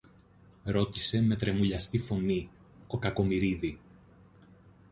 ρώτησε με τρεμουλιαστή φωνή ο Κακομοιρίδη